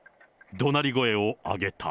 どなり声を上げた。